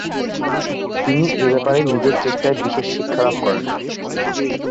তিনি এ ব্যাপারে নিজের চেষ্টায় বিশেষ শিক্ষা লাভ করেন।